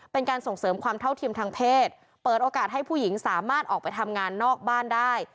เป็นการส่งเสริมความเท่าเทียมทางเพศเปิดโอกาสให้ผู้หญิงสามารถออกไปทำงานนอกบ้านได้